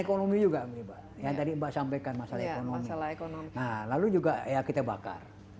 ekonomi juga yang tadi mbak sampaikan masalah masalah ekonomi lalu juga ya kita bakar